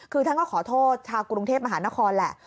คือท่านก็ขอโทษชาวกรุงเทพมหานครแหละ